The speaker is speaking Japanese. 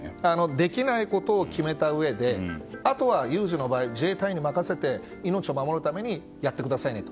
できないことを決めたうえであとは有事の場合自衛隊員に任せて命を守るためにやってくださいねと。